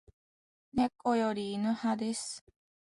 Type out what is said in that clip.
猫より犬派です